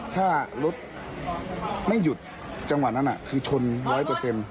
ถ้ารถไม่หยุดจังหวะนั้นคือชนร้อยเปอร์เซ็นต์